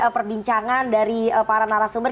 perbincangan dari para narasumber